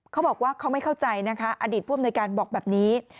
เขาบอกว่าเขาไม่เข้าใจนะคะอดีตผู้อำนวยการบอกแบบนี้